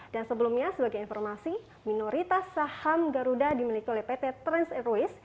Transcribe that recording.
dan sebelumnya sebagai informasi minoritas saham garuda dimiliki oleh pt trans airways